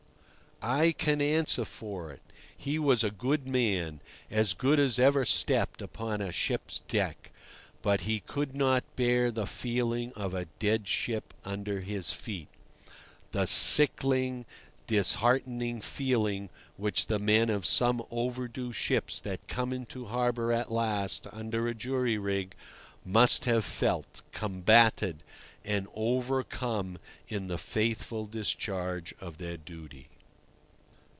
I can answer for it, he was a good man—as good as ever stepped upon a ship's deck—but he could not bear the feeling of a dead ship under his feet: the sickly, disheartening feeling which the men of some "overdue" ships that come into harbour at last under a jury rig must have felt, combated, and overcome in the faithful discharge of their duty.